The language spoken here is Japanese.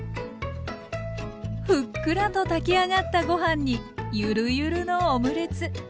ふっくらと炊き上がったご飯にゆるゆるのオムレツ。